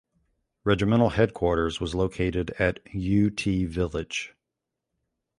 Regimental headquarters was located at Yew Tee Village.